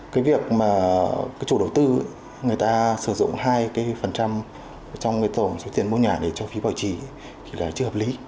cái việc mà chủ đầu tư người ta sử dụng hai trong tổng số tiền mua nhà để cho phí bảo trì thì là chưa hợp lý